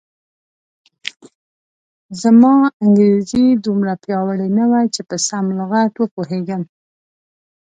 زما انګریزي دومره پیاوړې نه وه چې په سم لغت و پوهېږم.